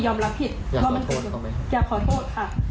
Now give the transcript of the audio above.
ยอมรับผิดอยากขอโทษต่อไหมอยากขอโทษค่ะอืม